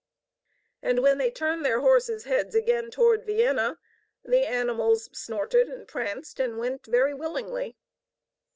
And when they turned the horses' heads again toward Vienna, the animals snorted and pranced and went very willingly.